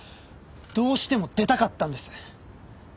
どうしても出たかったんです。